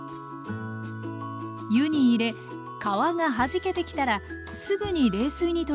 湯に入れ皮がはじけてきたらすぐに冷水にとりましょう。